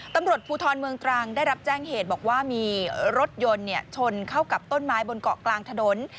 ตำรวจภูทรเมืองตรังได้รับแจ้งเหตุบอกว่ามีรถยนต์ชนเข้ากับต้นไม้บนเกาะกลางถนน